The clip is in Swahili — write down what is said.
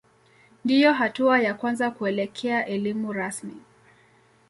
Ndiyo hatua ya kwanza kuelekea elimu rasmi.